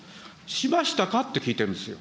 しましたかと聞いてるんですよ。